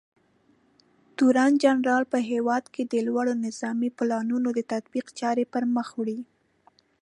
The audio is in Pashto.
تورنجنرال په هېواد کې د لوړو نظامي پلانونو د تطبیق چارې پرمخ وړي.